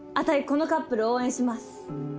このカップル応援します。